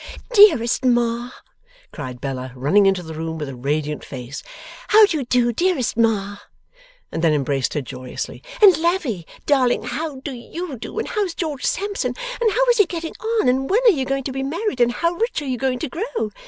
'Dearest Ma,' cried Bella, running into the room with a radiant face, 'how do you do, dearest Ma?' And then embraced her, joyously. 'And Lavvy darling, how do YOU do, and how's George Sampson, and how is he getting on, and when are you going to be married, and how rich are you going to grow?